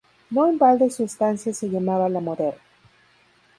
No en balde su estancia se llamaba "La Moderna".